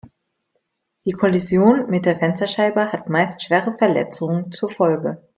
Die Kollision mit der Fensterscheibe hat meist schwere Verletzungen zur Folge.